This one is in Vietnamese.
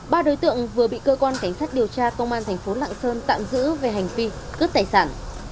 ba đối tượng vừa bị cơ quan cảnh sát điều tra công an thành phố lạng sơn tạm giữ về hành vi cướp tài sản